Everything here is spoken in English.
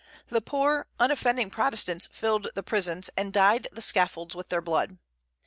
The poor, unoffending Protestants filled the prisons, and dyed the scaffolds with their blood.